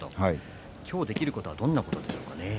今日できることはどんなことでしょうか。